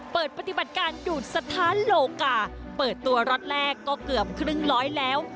เปิดปฏิบัติการดูดสถานโลกาเปิดตัวล็อตแรกก็เกือบครึ่งร้อยแล้ว